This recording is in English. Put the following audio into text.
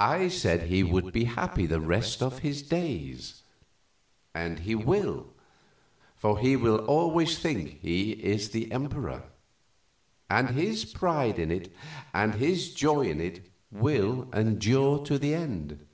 I said he would be happy the rest of his days, and he will, for he will always think he is the Emperor, and his pride in it and his joy in it will endure to the end.